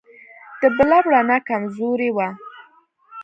د بلب رڼا کمزورې وه.